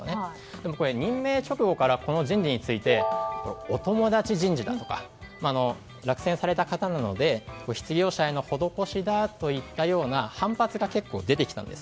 でもこれは任命直後からこの人事についてお友達人事だとか落選された方なので失業者への施しといった反発が結構、出てきたんです。